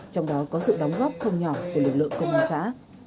trong đó có sự đóng góp không nhỏ của lực lượng công an xã